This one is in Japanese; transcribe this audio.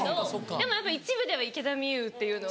でもやっぱ一部では池田美優っていうのが。